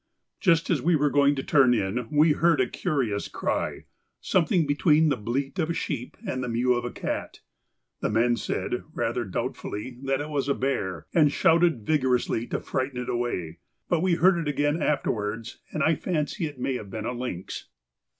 Just as we were going to turn in we heard a curious cry, something between the bleat of a sheep and the mew of a cat. The men said, though rather doubtfully, that it was a bear, and shouted vigorously to frighten it away, but we heard it again afterwards, and I fancy it may have been a lynx.